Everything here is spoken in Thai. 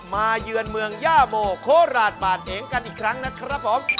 เยือนเมืองย่าโมโคราชบาดเหงกันอีกครั้งนะครับผม